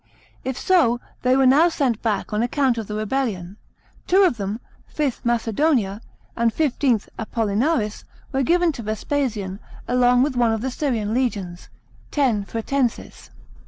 If so, they were now sent back on account of the rebellion. Two of them, V. Macedonica and XV. Apollinaris, were given to Vespasian, along with one of the Syrian legions, X. Fretensis.